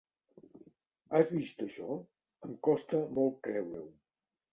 Has vist això? Em costa molt creure-ho!